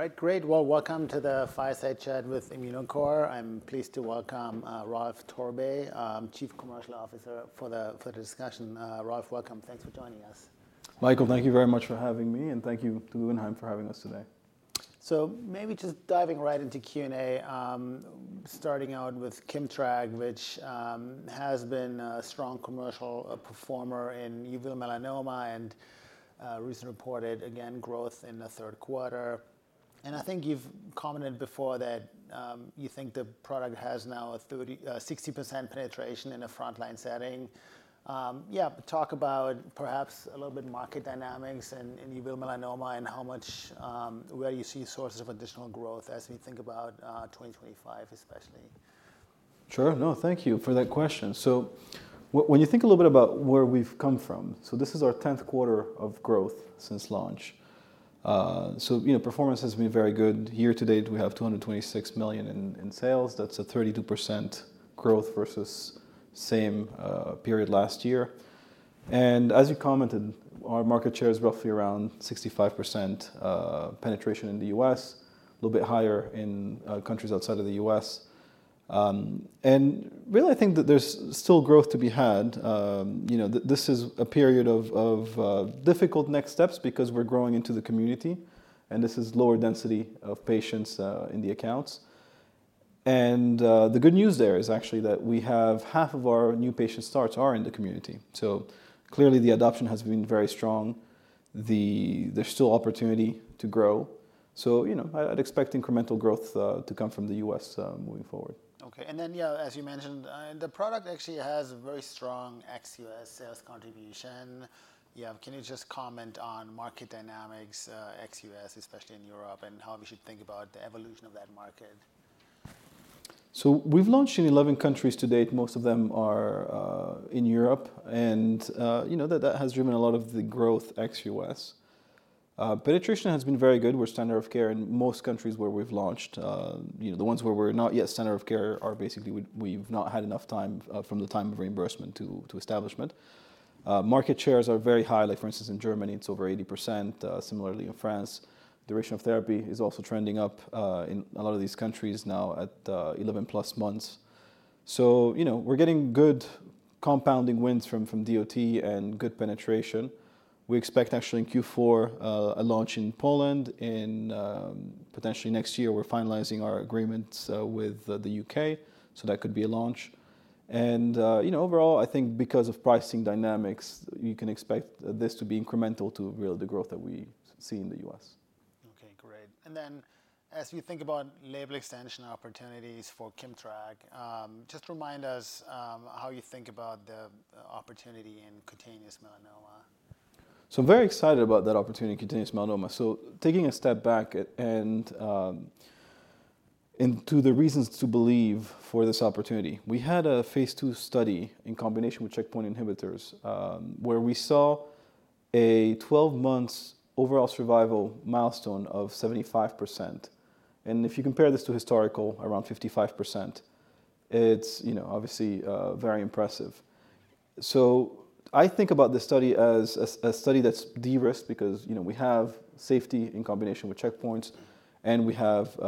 All right, great. Well, welcome to the Fireside Chat with Immunocore. I'm pleased to welcome Ralph Torbay, Chief Commercial Officer for the discussion. Ralph, welcome. Thanks for joining us. Michael, thank you very much for having me, and thank you to Guggenheim for having us today. So maybe just diving right into Q&A, starting out with Kimmtrak, which has been a strong commercial performer in uveal melanoma and recently reported, again, growth in the third quarter. And I think you've commented before that you think the product has now a 60% penetration in a frontline setting. Yeah, but talk about perhaps a little bit market dynamics in uveal melanoma and how much, where you see sources of additional growth as we think about 2025, especially. Sure. No, thank you for that question. So when you think a little bit about where we've come from, so this is our 10th quarter of growth since launch. So performance has been very good. Year to date, we have $226 million in sales. That's a 32% growth versus the same period last year. And as you commented, our market share is roughly around 65% penetration in the U.S., a little bit higher in countries outside of the U.S. And really, I think that there's still growth to be had. This is a period of difficult next steps because we're growing into the community, and this is lower density of patients in the accounts. And the good news there is actually that we have half of our new patient starts are in the community. So clearly, the adoption has been very strong. There's still opportunity to grow. So I'd expect incremental growth to come from the US moving forward. Okay, and then, yeah, as you mentioned, the product actually has a very strong ex-US sales contribution. Can you just comment on market dynamics ex-US, especially in Europe, and how we should think about the evolution of that market? We've launched in 11 countries to date. Most of them are in Europe. And that has driven a lot of the growth, ex-US. Penetration has been very good. We're standard of care in most countries where we've launched. The ones where we're not yet standard of care are basically we've not had enough time from the time of reimbursement to establishment. Market shares are very high. Like, for instance, in Germany, it's over 80%. Similarly, in France, duration of therapy is also trending up in a lot of these countries now at 11-plus months. So we're getting good compounding wins from DOT and good penetration. We expect, actually, in Q4, a launch in Poland. And potentially next year, we're finalizing our agreements with the UK. So that could be a launch. Overall, I think because of pricing dynamics, you can expect this to be incremental to really the growth that we see in the U.S. Okay, great. And then as you think about label extension opportunities for Kimmtrak, just remind us how you think about the opportunity in cutaneous melanoma. So I'm very excited about that opportunity in cutaneous melanoma. So taking a step back and to the reasons to believe for this opportunity, we had a phase 2 study in combination with checkpoint inhibitors where we saw a 12-month overall survival milestone of 75%. And if you compare this to historical, around 55%, it's obviously very impressive. So I think about the study as a study that's de-risked because we have safety in combination with checkpoints, and we have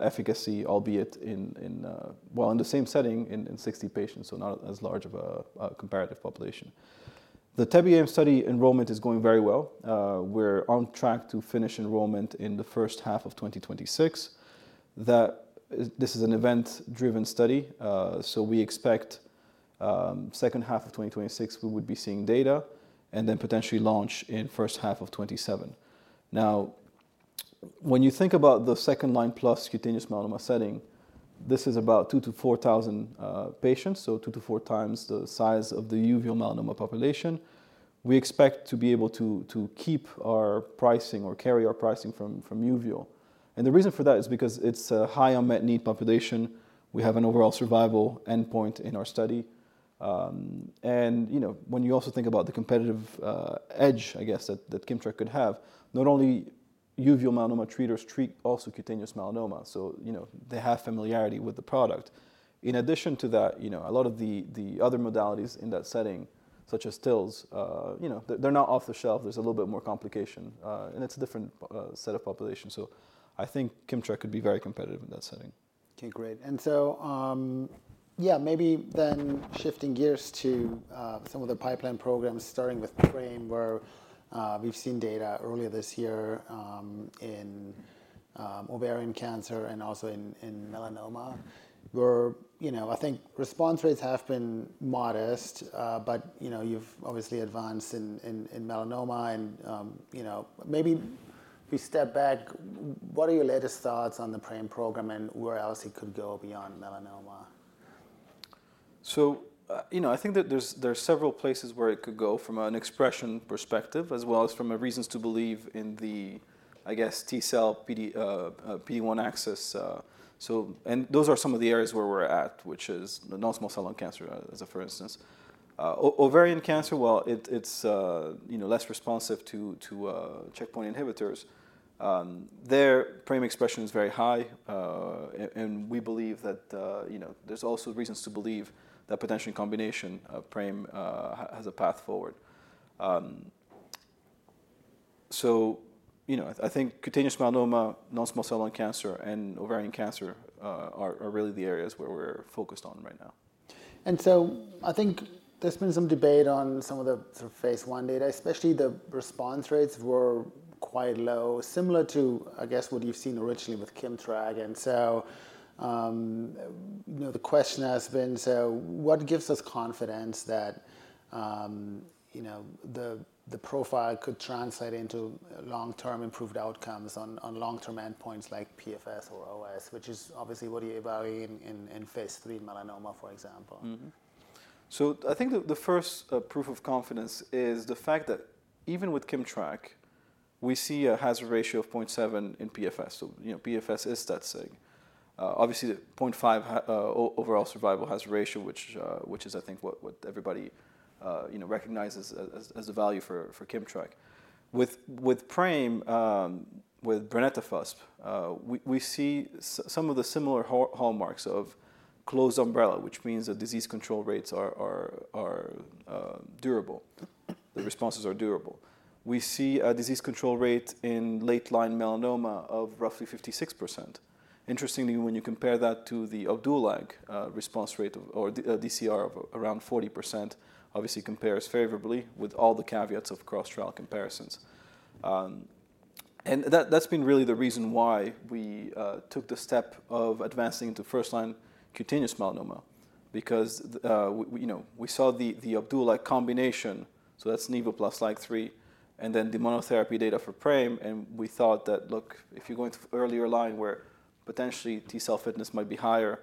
efficacy, albeit in, well, in the same setting in 60 patients, so not as large of a comparative population. The TEBE-AM study enrollment is going very well. We're on track to finish enrollment in the first half of 2026. This is an event-driven study. So we expect the second half of 2026, we would be seeing data, and then potentially launch in the first half of 2027. Now, when you think about the second-line plus cutaneous melanoma setting, this is about 2,000-4,000 patients, so 2,000-4,000 times the size of the uveal melanoma population. We expect to be able to keep our pricing or carry our pricing from uveal. And the reason for that is because it's a high unmet need population. We have an overall survival endpoint in our study. And when you also think about the competitive edge, I guess, that Kimmtrak could have, not only uveal melanoma treaters treat also cutaneous melanoma. So they have familiarity with the product. In addition to that, a lot of the other modalities in that setting, such as TILs, they're not off the shelf. There's a little bit more complication. And it's a different set of population. So I think Kimmtrak could be very competitive in that setting. Okay, great, and so, yeah, maybe then shifting gears to some of the pipeline programs, starting with PRAME, where we've seen data earlier this year in ovarian cancer and also in melanoma. I think response rates have been modest, but you've obviously advanced in melanoma, and maybe if we step back, what are your latest thoughts on the PRAME program and where else it could go beyond melanoma? So I think that there are several places where it could go from an expression perspective, as well as from reasons to believe in the, I guess, T cell PD-1 axis. And those are some of the areas where we're at, which is non-small cell lung cancer, as a for instance. Ovarian cancer, well, it's less responsive to checkpoint inhibitors. There, PRAME expression is very high. And we believe that there's also reasons to believe that potentially combination of PRAME has a path forward. So I think cutaneous melanoma, non-small cell lung cancer, and ovarian cancer are really the areas where we're focused on right now. I think there's been some debate on some of the phase 1 data, especially the response rates were quite low, similar to, I guess, what you've seen originally with Kimmtrak. The question has been, so what gives us confidence that the profile could translate into long-term improved outcomes on long-term endpoints like PFS or OS, which is obviously what you evaluate in phase 3 melanoma, for example? I think the first proof of confidence is the fact that even with Kimmtrak, we see a hazard ratio of 0.7 in PFS. PFS is that thing. Obviously, the 0.5 overall survival hazard ratio, which is, I think, what everybody recognizes as a value for Kimmtrak. With PRAME, with brenetafusp, we see some of the similar hallmarks of closed umbrella, which means that disease control rates are durable. The responses are durable. We see a disease control rate in late-line melanoma of roughly 56%. Interestingly, when you compare that to the Opdualag response rate or DCR of around 40%, obviously compares favorably with all the caveats of cross-trial comparisons. That's been really the reason why we took the step of advancing into first-line cutaneous melanoma, because we saw the Opdualag combination, so that's Nivo plus LAG-3, and then the monotherapy data for PRAME. We thought that, look, if you're going to earlier line where potentially T cell fitness might be higher,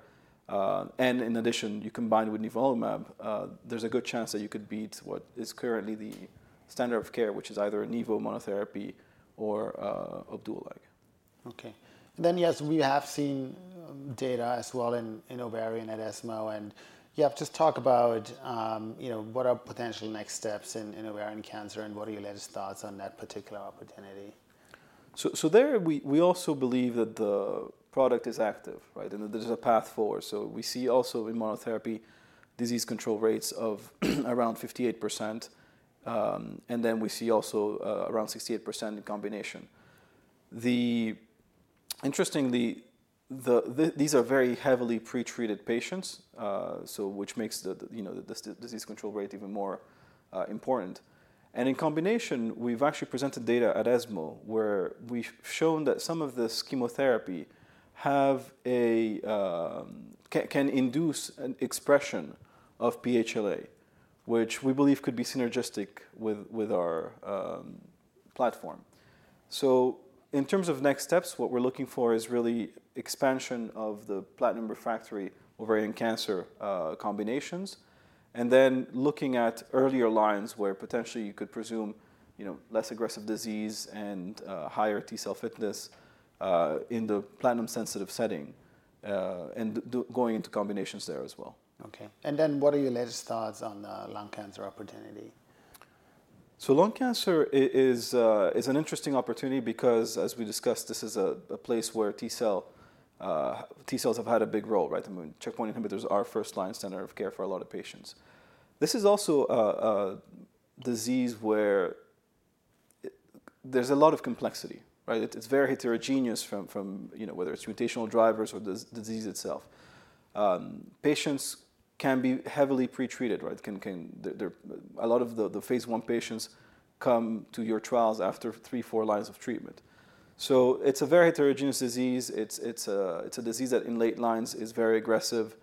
and in addition, you combine with nivolumab, there's a good chance that you could beat what is currently the standard of care, which is either a nivo monotherapy or Opdualag. Okay. And then, yes, we have seen data as well in ovarian and ESMO. And yeah, just talk about what are potential next steps in ovarian cancer, and what are your latest thoughts on that particular opportunity? So there, we also believe that the product is active, right, and that there's a path forward. So we see also in monotherapy disease control rates of around 58%. And then we see also around 68% in combination. Interestingly, these are very heavily pretreated patients, which makes the disease control rate even more important. And in combination, we've actually presented data at ESMO where we've shown that some of the chemotherapy can induce an expression of peptide-HLA, which we believe could be synergistic with our platform. So in terms of next steps, what we're looking for is really expansion of the platinum refractory ovarian cancer combinations, and then looking at earlier lines where potentially you could presume less aggressive disease and higher T cell fitness in the platinum-sensitive setting, and going into combinations there as well. Okay. And then what are your latest thoughts on lung cancer opportunity? Lung cancer is an interesting opportunity because, as we discussed, this is a place where T cells have had a big role. Checkpoint inhibitors are first-line center of care for a lot of patients. This is also a disease where there's a lot of complexity. It's very heterogeneous, whether it's mutational drivers or the disease itself. Patients can be heavily pretreated. A lot of the phase one patients come to your trials after three, four lines of treatment. It's a very heterogeneous disease. It's a disease that in late lines is very aggressive.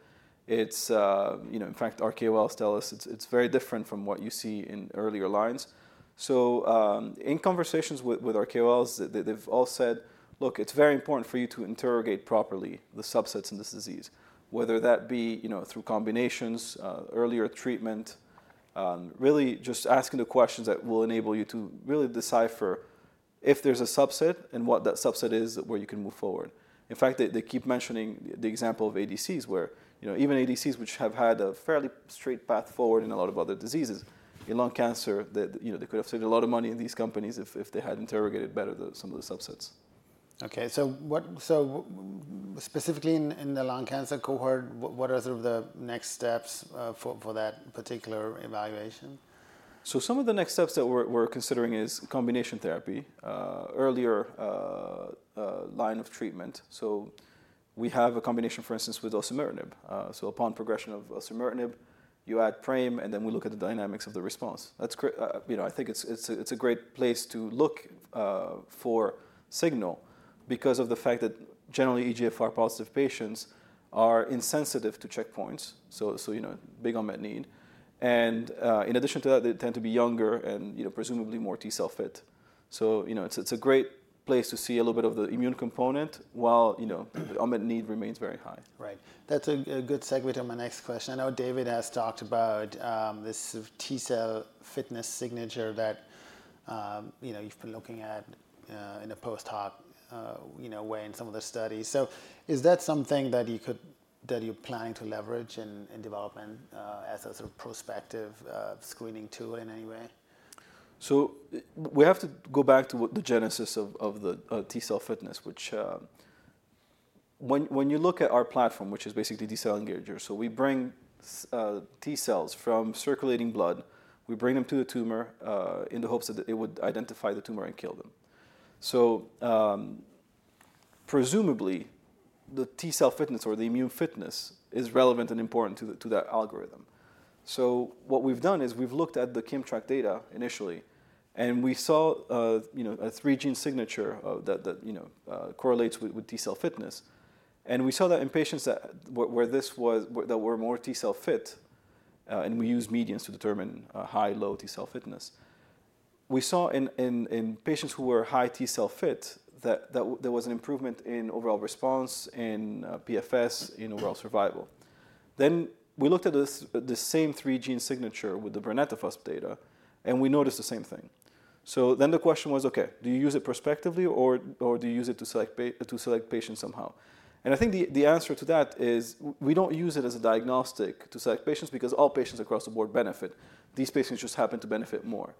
In fact, RKOLs tell us it's very different from what you see in earlier lines. In conversations with KOLs, they've all said, look, it's very important for you to interrogate properly the subsets in this disease, whether that be through combinations, earlier treatment, really just asking the questions that will enable you to really decipher if there's a subset and what that subset is where you can move forward. In fact, they keep mentioning the example of ADCs, where even ADCs, which have had a fairly straight path forward in a lot of other diseases, in lung cancer, they could have saved a lot of money in these companies if they had interrogated better some of the subsets. Okay, so specifically in the lung cancer cohort, what are sort of the next steps for that particular evaluation? So some of the next steps that we're considering is combination therapy, earlier line of treatment. So we have a combination, for instance, with osimertinib. So upon progression of osimertinib, you add PRAME, and then we look at the dynamics of the response. I think it's a great place to look for signal because of the fact that generally EGFR-positive patients are insensitive to checkpoints, so big unmet need. And in addition to that, they tend to be younger and presumably more T cell fit. So it's a great place to see a little bit of the immune component while the unmet need remains very high. Right. That's a good segue to my next question. I know David has talked about this T cell fitness signature that you've been looking at in a post-hoc way in some of the studies. So is that something that you're planning to leverage in development as a sort of prospective screening tool in any way? So we have to go back to the genesis of the T cell fitness, which when you look at our platform, which is basically T cell engagers, so we bring T cells from circulating blood. We bring them to the tumor in the hopes that it would identify the tumor and kill them. So presumably, the T cell fitness or the immune fitness is relevant and important to that algorithm. So what we've done is we've looked at the Kimmtrak data initially, and we saw a three-gene signature that correlates with T cell fitness. And we saw that in patients that were more T cell fit, and we used medians to determine high, low T cell fitness. We saw in patients who were high T cell fit that there was an improvement in overall response in PFS, in overall survival. Then we looked at the same three-gene signature with the brenetafusp data, and we noticed the same thing. So then the question was, okay, do you use it prospectively, or do you use it to select patients somehow? And I think the answer to that is we don't use it as a diagnostic to select patients because all patients across the board benefit. These patients just happen to benefit more.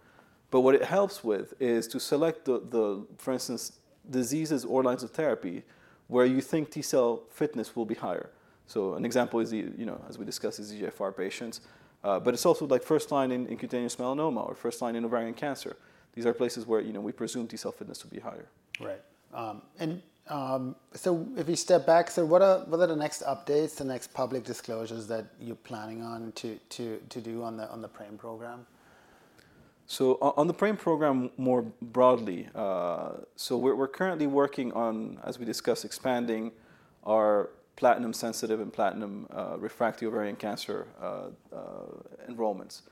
But what it helps with is to select, for instance, diseases or lines of therapy where you think T cell fitness will be higher. So an example, as we discussed, is EGFR patients. But it's also like first line in cutaneous melanoma or first line in ovarian cancer. These are places where we presume T cell fitness would be higher. Right. And so if we step back, so what are the next updates, the next public disclosures that you're planning on to do on the PRAME program? So on the PRAME program more broadly, so we're currently working on, as we discussed, expanding our platinum-sensitive and platinum refractory ovarian cancer enrollments.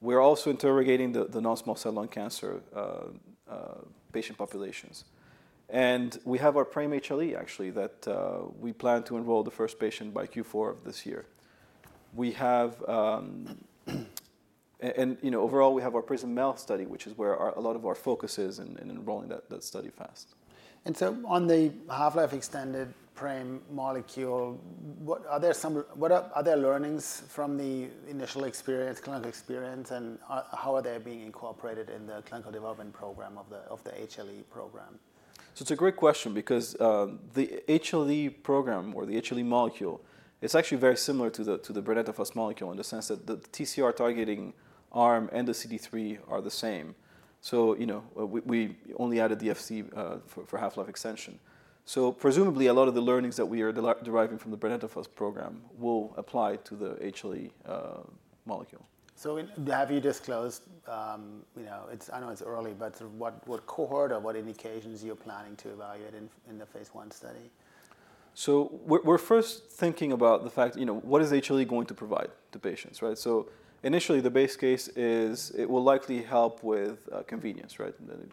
We're also interrogating the non-small cell lung cancer patient populations. And we have our PRAME-HLE, actually, that we plan to enroll the first patient by Q4 of this year. And overall, we have our PRISM-MEL study, which is where a lot of our focus is in enrolling that study fast. On the half-life extended PRAME molecule, are there learnings from the initial experience, clinical experience, and how are they being incorporated in the clinical development program of the HLE program? It's a great question because the HLE program or the HLE molecule, it's actually very similar to the brenetafusp molecule in the sense that the TCR targeting arm and the CD3 are the same. We only added the Fc for half-life extension. Presumably, a lot of the learnings that we are deriving from the brenetafusp program will apply to the HLE molecule. Have you disclosed? I know it's early, but what cohort or what indications you're planning to evaluate in the phase 1 study? So we're first thinking about the fact, what is HLE going to provide to patients? So initially, the base case is it will likely help with convenience.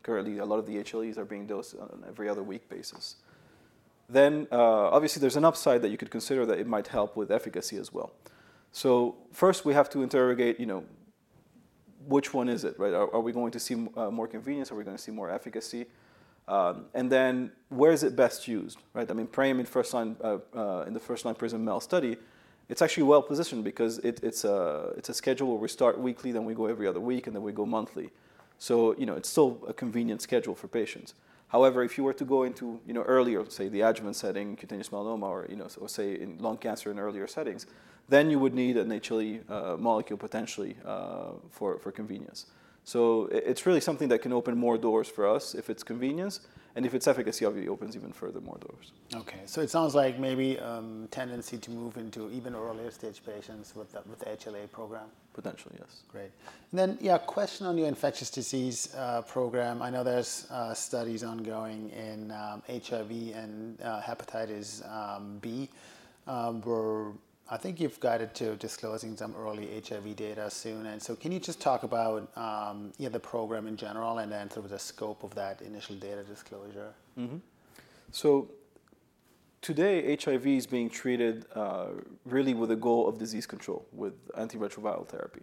Currently, a lot of the HLEs are being dosed on an every other week basis. Then, obviously, there's an upside that you could consider that it might help with efficacy as well. So first, we have to interrogate which one is it. Are we going to see more convenience? Are we going to see more efficacy? And then where is it best used? I mean, PRAME in the first-line PRISM-MEL study, it's actually well-positioned because it's a schedule where we start weekly, then we go every other week, and then we go monthly. So it's still a convenient schedule for patients. However, if you were to go into earlier, say, the adjuvant setting, cutaneous melanoma, or say, in lung cancer in earlier settings, then you would need an HLE molecule potentially for convenience, so it's really something that can open more doors for us if it's convenience, and if it's efficacy, obviously opens even further more doors. It sounds like maybe a tendency to move into even earlier stage patients with the HLE program. Potentially, yes. Great. And then, yeah, question on your infectious disease program. I know there's studies ongoing in HIV and hepatitis B, where I think you've guided to disclosing some early HIV data soon. And so can you just talk about the program in general and then sort of the scope of that initial data disclosure? So today, HIV is being treated really with a goal of disease control with antiretroviral therapy.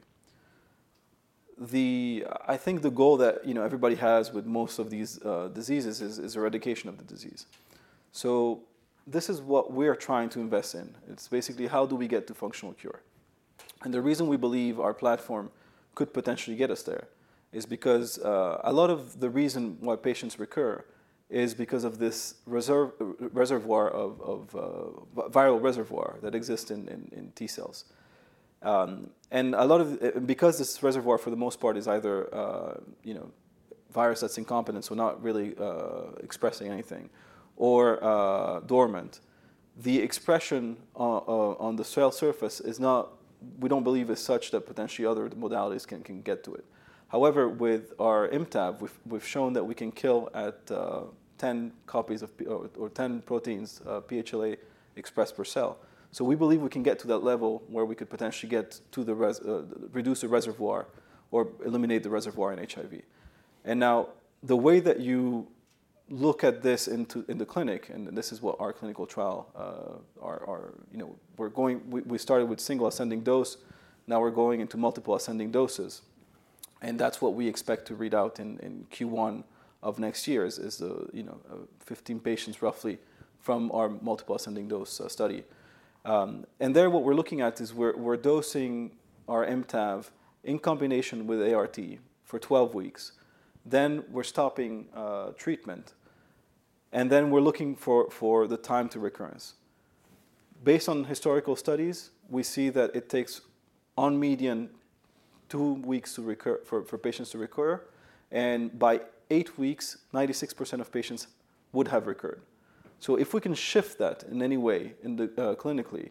I think the goal that everybody has with most of these diseases is eradication of the disease. So this is what we are trying to invest in. It's basically how do we get to functional cure. And the reason we believe our platform could potentially get us there is because a lot of the reason why patients recur is because of this reservoir of viral reservoir that exists in T cells. And because this reservoir, for the most part, is either virus that's incompetent, so not really expressing anything, or dormant, the expression on the cell surface is not, we don't believe, as such that potentially other modalities can get to it. However, with our ImmTAV, we've shown that we can kill at 10 copies or 10 proteins peptide-HLA expressed per cell. So we believe we can get to that level where we could potentially reduce the reservoir or eliminate the reservoir in HIV. And now, the way that you look at this in the clinic, and this is what our clinical trial are, we started with single ascending dose. Now we're going into multiple ascending doses. And that's what we expect to read out in Q1 of next year is 15 patients, roughly, from our multiple ascending dose study. And there, what we're looking at is we're dosing our ImmTAV in combination with ART for 12 weeks. Then we're stopping treatment. And then we're looking for the time to recurrence. Based on historical studies, we see that it takes on median two weeks for patients to recur. And by eight weeks, 96% of patients would have recurred. So if we can shift that in any way clinically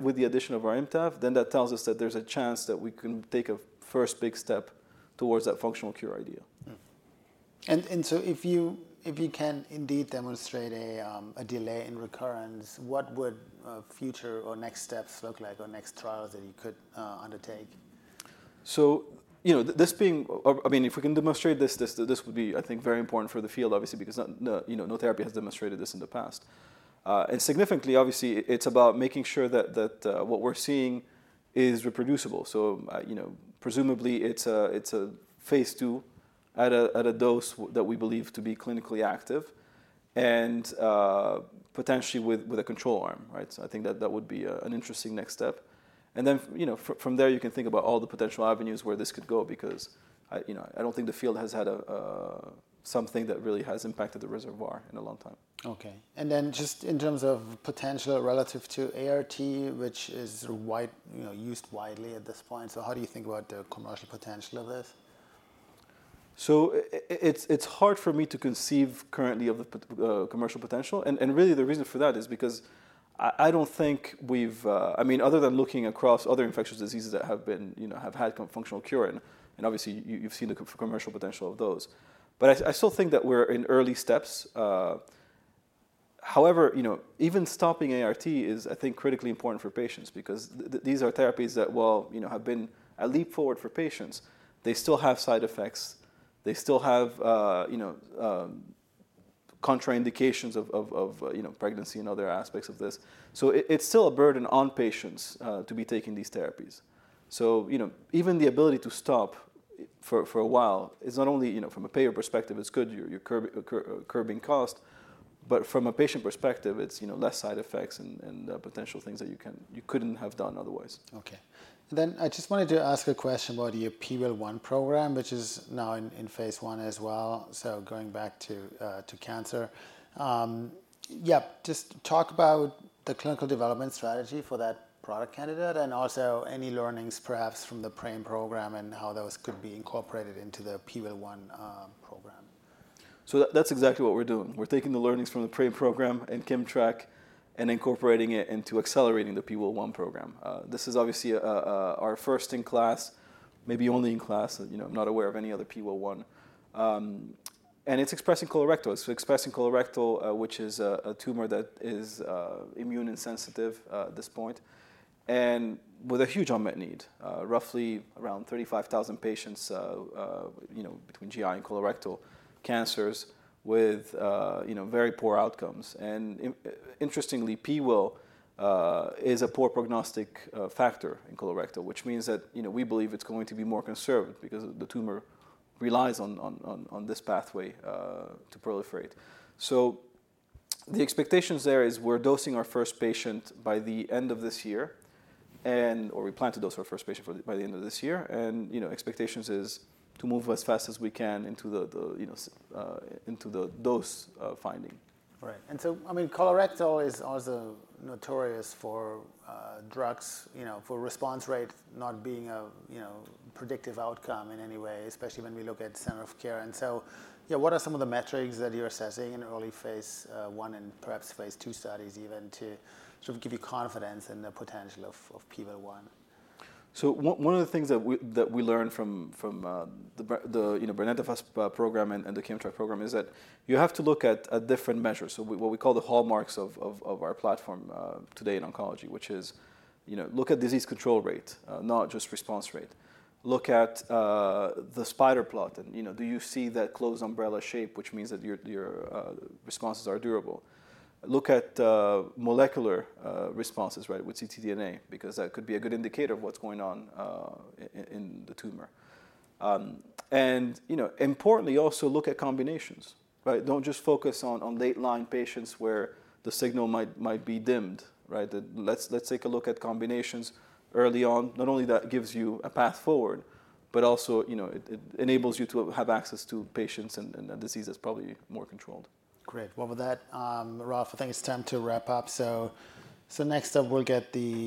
with the addition of our ImmTAV, then that tells us that there's a chance that we can take a first big step towards that functional cure idea. And so if you can indeed demonstrate a delay in recurrence, what would future or next steps look like or next trials that you could undertake? So this being, I mean, if we can demonstrate this, this would be, I think, very important for the field, obviously, because no therapy has demonstrated this in the past. And significantly, obviously, it's about making sure that what we're seeing is reproducible. So presumably, it's a phase two at a dose that we believe to be clinically active and potentially with a control arm. So I think that would be an interesting next step. And then from there, you can think about all the potential avenues where this could go because I don't think the field has had something that really has impacted the reservoir in a long time. Okay. And then just in terms of potential relative to ART, which is used widely at this point, so how do you think about the commercial potential of this? So it's hard for me to conceive currently of the commercial potential. And really, the reason for that is because I don't think we've, I mean, other than looking across other infectious diseases that have had functional cure, and obviously, you've seen the commercial potential of those. But I still think that we're in early steps. However, even stopping ART is, I think, critically important for patients because these are therapies that, while have been a leap forward for patients, they still have side effects. They still have contraindications of pregnancy and other aspects of this. So it's still a burden on patients to be taking these therapies. So even the ability to stop for a while is not only from a payer perspective, it's good, you're curbing cost, but from a patient perspective, it's less side effects and potential things that you couldn't have done otherwise. Okay. And then I just wanted to ask a question about your PIWIL1 program, which is now in phase one as well. So going back to cancer. Yeah, just talk about the clinical development strategy for that product candidate and also any learnings, perhaps, from the PRAME program and how those could be incorporated into the PIWIL1 program. So that's exactly what we're doing. We're taking the learnings from the PRAME program and Kimmtrak and incorporating it into accelerating the PIWIL1 program. This is obviously our first in class, maybe only in class. I'm not aware of any other PIWIL1. And it's expressed in colorectal. It's expressed in colorectal, which is a tumor that is immune insensitive at this point and with a huge unmet need, roughly around 35,000 patients between GI and colorectal cancers with very poor outcomes. And interestingly, PIWIL is a poor prognostic factor in colorectal, which means that we believe it's going to be more conserved because the tumor relies on this pathway to proliferate. So the expectations there is we're dosing our first patient by the end of this year and/or we plan to dose our first patient by the end of this year. Expectations is to move as fast as we can into the dose finding. Right. And so, I mean, colorectal is also notorious for drugs, for response rate not being a predictive outcome in any way, especially when we look at standard of care. And so, yeah, what are some of the metrics that you're assessing in early phase one and perhaps phase two studies even to sort of give you confidence in the potential of PIWIL1? One of the things that we learned from the brenetafusp program and the KIMMTRAK program is that you have to look at different measures. What we call the hallmarks of our platform today in oncology, which is look at disease control rate, not just response rate. Look at the spider plot. Do you see that closed umbrella shape, which means that your responses are durable? Look at molecular responses with ctDNA because that could be a good indicator of what's going on in the tumor. Importantly, also look at combinations. Don't just focus on late line patients where the signal might be dimmed. Let's take a look at combinations early on. Not only that gives you a path forward, but also it enables you to have access to patients and disease that's probably more controlled. Great. Well, with that, Ralph, I think it's time to wrap up. So next up, we'll get the.